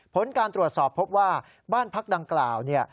ผลการตรวจสอบพบว่าบ้านพักดังกล่าวเนี่ย